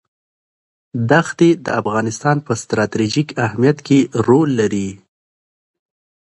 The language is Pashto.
دښتې د افغانستان په ستراتیژیک اهمیت کې رول لري.